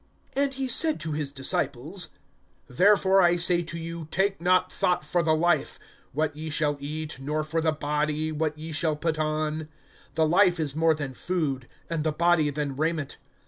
(22)And he said to his disciples: Therefore I say to you, take not thought for the life, what ye shall eat, nor for the body, what ye shall put on. (23)The life is more than food, and the body than raiment.